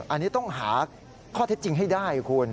อันนี้ต้องหาข้อเท็จจริงให้ได้คุณ